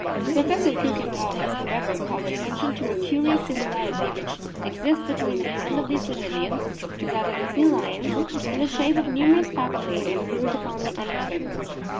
Professor Kiikenthal has, however, called attention to a curious similarity which exists between the hand of these Sirenians to that of the sea lions, in the shape of numerous papillae and grooves upon the under surface.